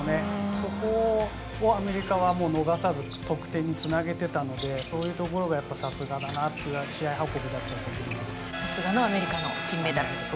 そこをアメリカは逃さず得点につなげていたので、そういうところがさすがだなという試合運びだったと思います。